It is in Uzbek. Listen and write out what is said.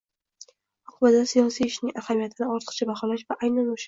oqibatida siyosiy ishning ahamiyatini ortiqcha baholash va aynan o‘sha